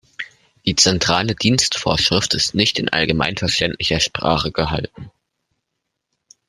Die Zentrale Dienstvorschrift ist nicht in allgemeinverständlicher Sprache gehalten.